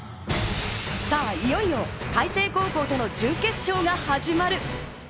さぁ、いよいよ開成高校との準決勝が始まる。